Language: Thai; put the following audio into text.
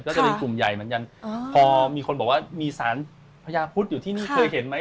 ก็จะเป็นกลุ่มใหญ่เหมือนกันพอมีคนบอกว่ามีสารพญาพุทธอยู่ที่นี่เคยเห็นไหม